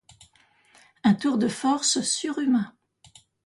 Un tour de force surhumain.